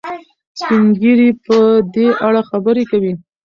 سپین ږیري په دې اړه خبرې کوي.